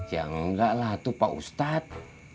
ya enggak lah itu pak ustadz